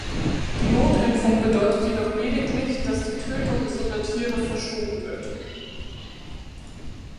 Die Notimpfung bedeutet jedoch lediglich, dass die Tötung gesunder Tiere verschoben wird.